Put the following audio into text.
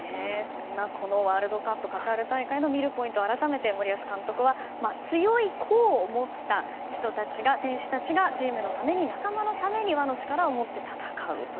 そんなワールドカップカタール大会の魅力を改めて森保監督は強い個を持った選手たちがチームのために仲間のために和の力を持って戦う。